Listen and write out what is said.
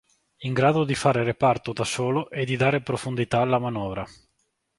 In grado di fare reparto da solo e di dare profondità alla manovra.